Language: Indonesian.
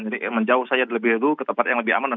jadi menjauh saja lebih dulu ke tempat yang lebih aman